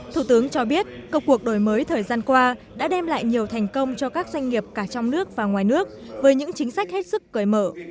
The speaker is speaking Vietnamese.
thủ tướng cho biết công cuộc đổi mới thời gian qua đã đem lại nhiều thành công cho các doanh nghiệp cả trong nước và ngoài nước với những chính sách hết sức cởi mở